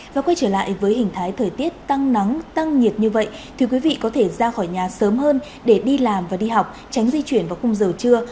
và quay trở lại với hình thái thời tiết tăng nắng tăng nhiệt như vậy thì quý vị có thể ra khỏi nhà sớm hơn để đi làm và đi học tránh di chuyển vào khung giờ trưa